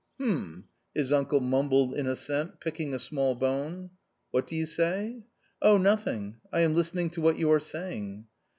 " Hm !" his uncle mumbled in assent, picking a small bone. " What do you say ?"" Oh nothing. I am listening to what you are saying."